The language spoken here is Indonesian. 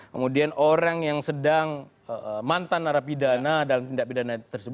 kemudian orang yang sedang mantan narapidana dalam tindak pidana tersebut